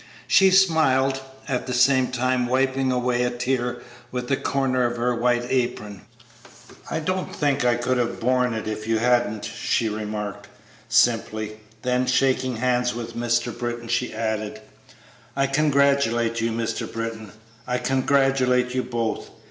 She smiled, at the same time wiping away a tear with the corner of her white apron. "I don't think I could have borne it if you hadn't," she remarked, simply; then, shaking hands with Mr. Britton, she added: "I congratulate you, Mr. Britton; I congratulate you both.